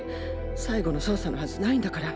最後の捜査のはずないんだから。